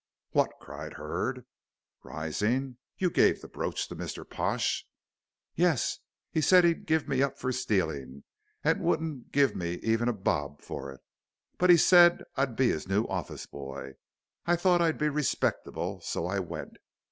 "What?" cried Hurd, rising. "You gave the brooch to Mr. Pash?" "Yuss. He said he'd 'ave me up for stealin', and wouldn't guv me even a bob fur it. But he said I'd be his noo orfice boy. I thought I'd be respectable, so I went.